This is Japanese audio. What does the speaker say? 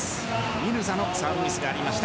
ミルザのサーブミスがありました。